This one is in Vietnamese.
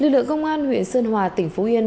lực lượng công an huyện sơn hòa tỉnh phú yên